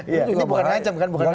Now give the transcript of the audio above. ini bukan ancam kan